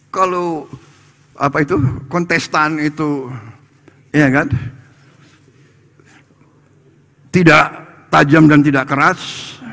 kalau kontestan itu tidak tajam dan tidak keras